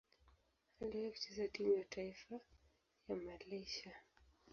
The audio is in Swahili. Aliwahi kucheza timu ya taifa ya Malaysia.